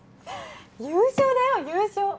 優勝だよ優勝